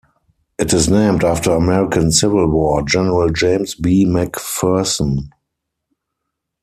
It is named after American Civil War General James B. McPherson.